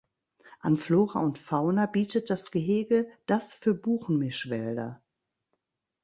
An Flora und Fauna bietet das Gehege das für Buchenmischwälder.